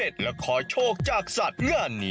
โอ๊ยตัวเล็กกันหน่อยนะ